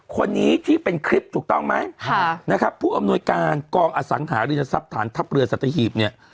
คนนี้ที่เป็นคลิปถูกต้องไหมนะครับผู้อำนวยการกองอสังหารินทรัพย์ฐานทัพเรือสัตหีบเนี่ย